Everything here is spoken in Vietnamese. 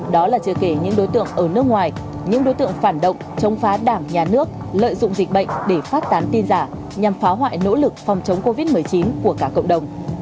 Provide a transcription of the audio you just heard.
đó là chưa kể những đối tượng ở nước ngoài những đối tượng phản động chống phá đảng nhà nước lợi dụng dịch bệnh để phát tán tin giả nhằm phá hoại nỗ lực phòng chống covid một mươi chín của cả cộng đồng